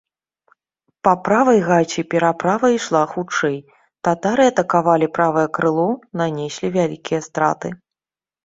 Па правай гаці пераправа ішла хутчэй, татары атакавалі правае крыло, нанеслі вялікія страты.